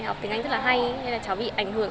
học tiếng anh rất là hay nên là cháu bị ảnh hưởng